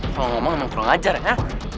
kalau ngomong memang kurang ajar ya